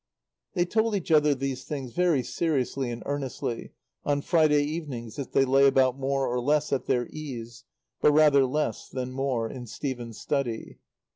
They told each other these things very seriously and earnestly, on Friday evenings as they lay about more or less at their ease (but rather less than more) in Stephen's study.